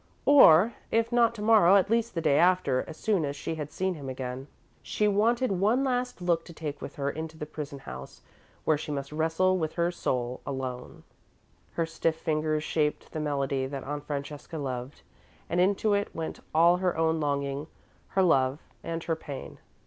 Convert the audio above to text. Or, if not to morrow, at least the day after, as soon as she had seen him again. She wanted one last look to take with her into the prison house, where she must wrestle with her soul alone. [Illustration: musical notation.] Her stiff fingers shaped the melody that Aunt Francesca loved, and into it went all her own longing, her love, and her pain.